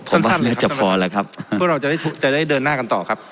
ผมว่าน่าจะพอแล้วครับพวกเราจะได้จะได้เดินหน้ากันต่อครับ